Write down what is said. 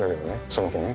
その子ね。